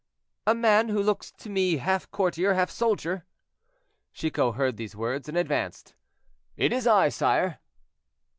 "A man who looks to me half courtier, half soldier." Chicot heard these words, and advanced. "It is I, sire."